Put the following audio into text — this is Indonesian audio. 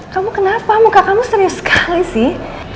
kamu kenapa muka kamu serius sekali sih